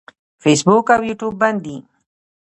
فیسبوک او یوټیوب بند دي.